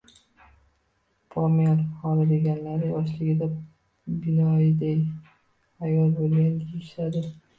Pomel xola deganlari yoshligida binoyiday ael bo`lgan deyishadi